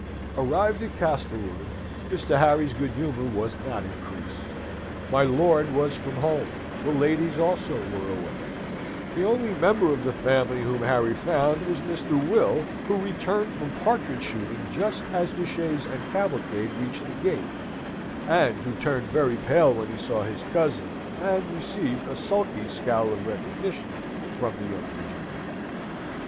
Arrived at Castlewood, Mr. Harry's good humour was not increased. My lord was from home; the ladies also were away; the only member of the family whom Harry found, was Mr. Will, who returned from partridge shooting just as the chaise and cavalcade reached the gate, and who turned very pale when he saw his cousin, and received a sulky scowl of recognition from the young Virginian.